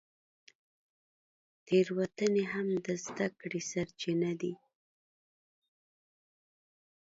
تېروتنې هم د زده کړې سرچینه دي.